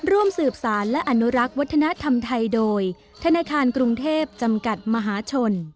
ร่วมสืบสารและอนุรักษ์วัฒนธรรมไทยโดยธนาคารกรุงเทพจำกัดมหาชน